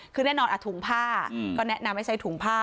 คือแน่นอนถุงผ้าก็แนะนำให้ใช้ถุงผ้า